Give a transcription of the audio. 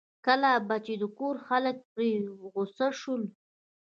کله به چې د کور خلک پرې په غوسه شول.